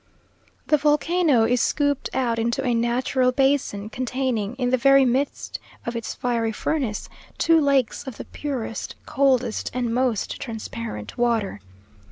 The volcano is scooped out into a natural basin, containing, in the very midst of its fiery furnace, two lakes of the purest, coldest and most transparent water.